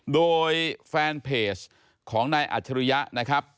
โดยแฟนเพจของนายอัจฉริยะนะครับ